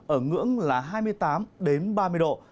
ở ngưỡng là hai mươi tám ba mươi độ